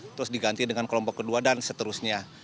terus diganti dengan kelompok kedua dan seterusnya